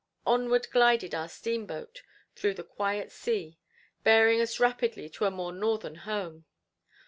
Onward glided our steamboat through the quiet sea, bearing us rapidly to a more northern home.